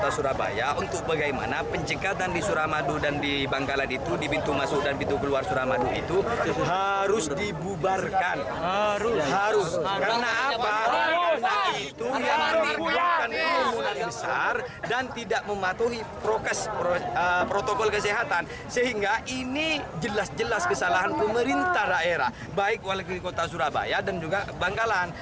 sehingga ini jelas jelas kesalahan pemerintah daerah baik wali kota surabaya dan juga bangkalan